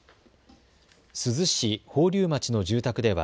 珠洲市宝立町の住宅では